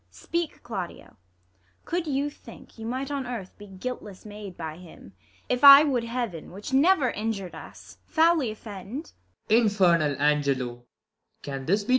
Speak, Claudio, could you think, you might on earth Be guiltless made by him, if I would Heaven, Which never injur'd us, foully offend 1 Claud.